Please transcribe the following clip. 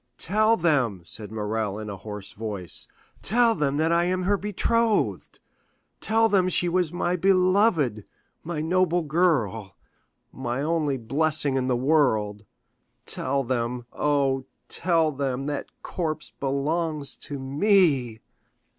"Tell them," said Morrel in a hoarse voice, "tell them that I am her betrothed. Tell them she was my beloved, my noble girl, my only blessing in the world. Tell them—oh, tell them, that corpse belongs to me!"